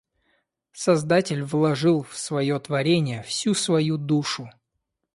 Создатель вложил в своё творенье всю свою душу.